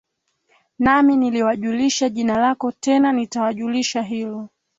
Nami niliwajulisha jina lako tena nitawajulisha hilo